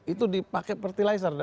itu dipakai pertilizer